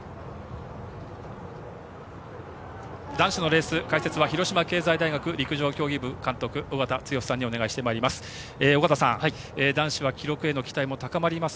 男子のレース、解説は広島経済大学陸上競技部監督の尾方剛さんにお願いしてまいります。